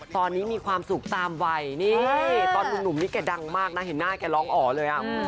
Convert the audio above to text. ตอนนี้มีความสุขตามวัยนี่ตอนหนุ่มนี่แกดังมากนะเห็นหน้าแกร้องอ๋อเลยอ่ะ